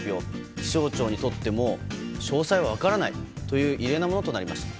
気象庁にとっても詳細は分からないという異例のものになりました。